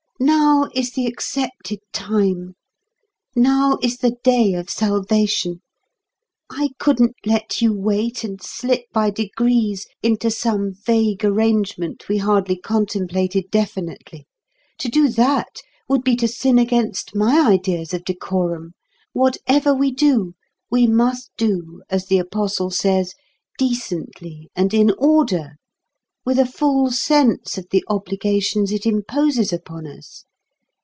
Now is the accepted time; now is the day of salvation. I couldn't let you wait, and slip by degrees into some vague arrangement we hardly contemplated definitely. To do that would be to sin against my ideas of decorum. Whatever we do we must do, as the apostle says, decently and in order, with a full sense of the obligations it imposes upon us.